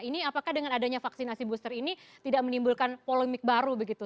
ini apakah dengan adanya vaksinasi booster ini tidak menimbulkan polemik baru begitu